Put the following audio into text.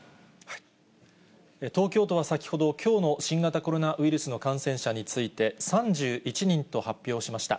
東京都は先ほど、きょうの新型コロナウイルスの感染者について、３１人と発表しました。